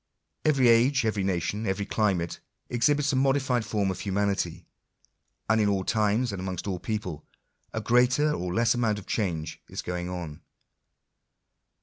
Every age, every nation, every climate, ex hibits a modified form of humanity ; and in all times, and amongst all peoples, a greater or less amount of change is going on.